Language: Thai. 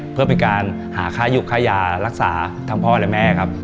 เพื่อเป็นการหาค่ายุบค่ายารักษาทั้งพ่อและแม่ครับ